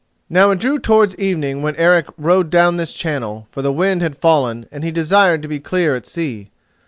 Now it drew towards evening when Eric rowed down this channel, for the wind had fallen and he desired to be clear at sea.